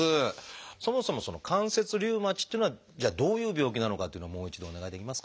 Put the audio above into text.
そもそも関節リウマチっていうのはじゃあどういう病気なのかっていうのをもう一度お願いできますか？